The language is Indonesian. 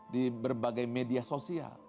di berbagai media sosial